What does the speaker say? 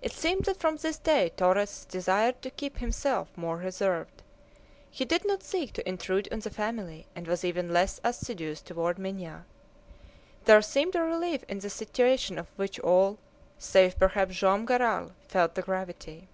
It seemed that from this day Torres desired to keep himself more reserved. He did not seek to intrude on the family, and was even less assiduous toward Minha. There seemed a relief in the situation of which all, save perhaps Joam Garral, felt the gravity.